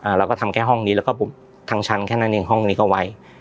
เราก็ทำแค่ห้องนี้แล้วก็บุบทั้งชั้นแค่นั้นเองห้องนี้ก็ไว้